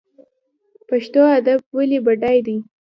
پښتو ادب ولې بډای دی؟